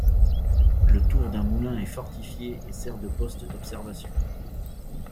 La tour d'un moulin est fortifiée et sert de poste d'observation.